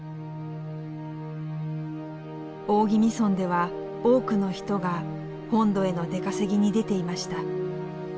大宜味村では多くの人が本土への出稼ぎに出ていました。